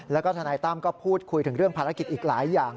แล้วก็ทนายตั้มก็พูดคุยถึงเรื่องภารกิจอีกหลายอย่าง